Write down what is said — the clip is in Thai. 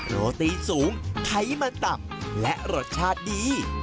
โรตีสูงไขมันต่ำและรสชาติดี